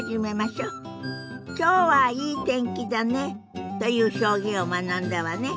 「きょうはいい天気だね」という表現を学んだわね。